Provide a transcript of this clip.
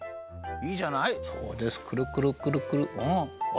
いいじゃない。